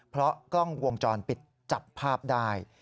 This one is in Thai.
เพราะกล้องวงจรปิดจับภาพได้